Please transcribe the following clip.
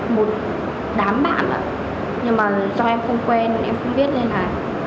một đám bạn ạ nhưng mà do em không quen em không biết nên là